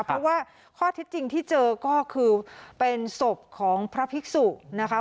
เพราะว่าข้อเท็จจริงที่เจอก็คือเป็นศพของพระภิกษุนะคะ